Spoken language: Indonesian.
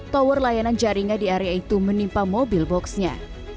farel tidak sendiri di ruangan sakura ini